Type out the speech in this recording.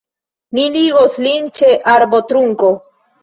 Mi ligos lin ĉe arbotrunkon.